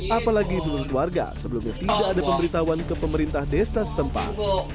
apalagi menurut warga sebelumnya tidak ada pemberitahuan ke pemerintah desa setempat